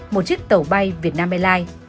một chiếc tàu bay việt nam airlines